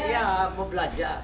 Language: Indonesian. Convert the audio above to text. ya mau belajar